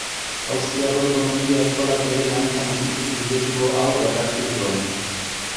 Austriako ekonomia eskolak bere lanetan ukitu subjektibo hau berrartu zuen.